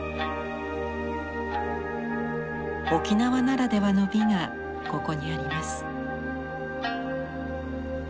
沖縄ならではの美がここにあります。